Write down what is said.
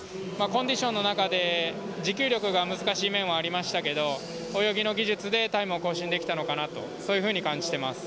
コンディションの中で持久力が難しい面はありましたけど泳ぎの技術でタイムを更新できたのかなとそういうふうに感じています。